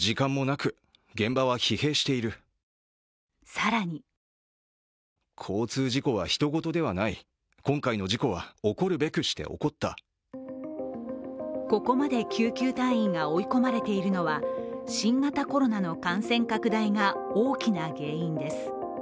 更にここまで救急隊員が追い込まれているのは新型コロナの感染拡大が大きな原因です。